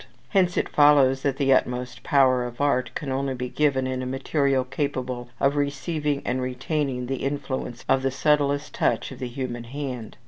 Hence it follows that the utmost power of art can only be given in a material capable of receiving and retaining the influence of the subtlest touch of the human hand.